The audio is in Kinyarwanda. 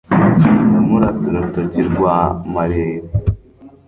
ndamurasa urutoki rwa marere